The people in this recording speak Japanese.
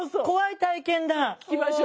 聞きましょう。